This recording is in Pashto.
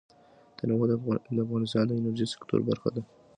تنوع د افغانستان د انرژۍ سکتور برخه ده.